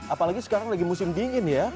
apalagi sekarang lagi musim dingin ya